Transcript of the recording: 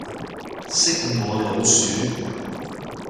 識我老鼠